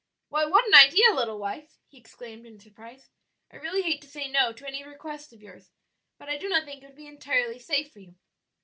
"Why, what an idea, little wife!" he exclaimed in surprise. "I really hate to say no to any request of yours, but I do not think it would be entirely safe for you.